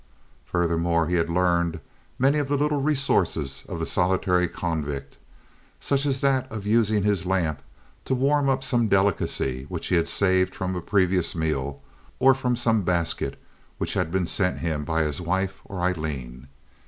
Furthermore he had learned many of the little resources of the solitary convict, such as that of using his lamp to warm up some delicacy which he had saved from a previous meal or from some basket which had been sent him by his wife or Aileen.